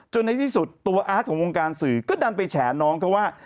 ในที่สุดตัวอาร์ตของวงการสื่อก็ดันไปแฉน้องเขาว่า